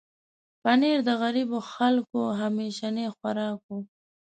پنېر د غریبو خلکو همیشنی خوراک و.